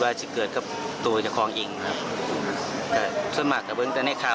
ว่าจะเกิดกับตัวเหลือของเองคร้าวสอนมาดนะเบิ้งแต่แค้นเท้า